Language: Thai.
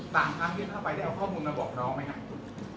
ต่างครั้งนี้เข้าไปได้เอาข้อมูลมาบอกน้องไหมครับคุณ